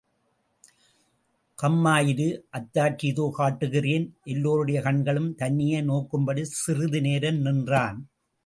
கம்மாயிரு, அத்தாட்சி இதோ காட்டுகிறேன்! எல்லாருடைய கண்களும் தன்னையே நோக்கும்படி சிறிது நேரம் நின்றான்.